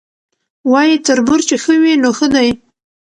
وایي تربور چي ښه وي نو ښه دی